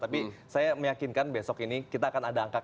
tapi saya meyakinkan besok ini kita akan ada angka